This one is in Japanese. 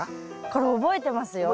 これ覚えてますよ。